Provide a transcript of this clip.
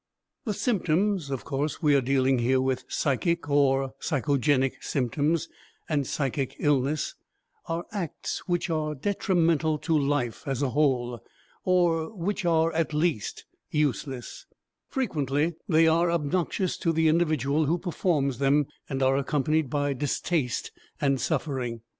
The symptoms, of course, we are dealing here with psychic (or psychogenic) symptoms, and psychic illness are acts which are detrimental to life as a whole, or which are at least useless; frequently they are obnoxious to the individual who performs them and are accompanied by distaste and suffering.